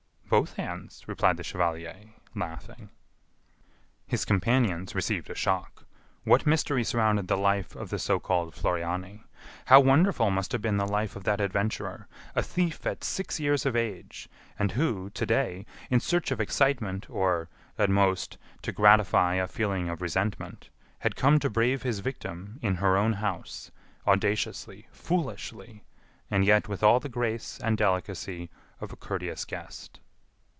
"Both hands," replied the chevalier, laughing. His companions received a shock. What mystery surrounded the life of the so called Floriani? How wonderful must have been the life of that adventurer, a thief at six years of age, and who, to day, in search of excitement or, at most, to gratify a feeling of resentment, had come to brave his victim in her own house, audaciously, foolishly, and yet with all the grace and delicacy of a courteous guest!